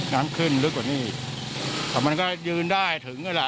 น้ำขึ้นลึกกว่านี้แต่มันก็ยืนได้ถึงก็ล่ะ